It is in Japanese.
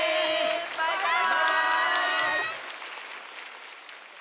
バイバーイ！